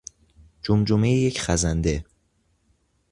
جمجمهی یک خزنده